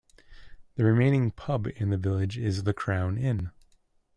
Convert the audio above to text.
The remaining pub in the village is the Crown Inn.